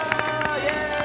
イエーイ！